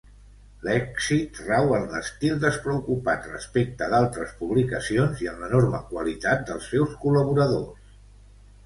L'èxit rau en l'estil despreocupat respecte d'altres publicacions i en l'enorme qualitat dels seus col·laboradors.